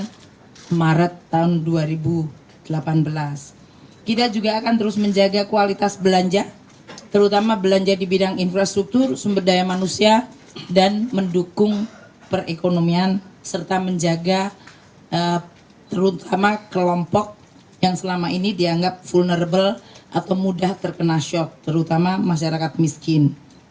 pemerintah akan menjaga kualitas belanja terutama belanja di bidang infrastruktur sumber daya manusia dan mendukung perekonomian serta menjaga terutama kelompok yang selama ini dianggap vulnerable atau mudah terkena shock terutama masyarakat miskin